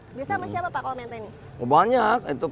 biasa sama siapa pak kalau main tenis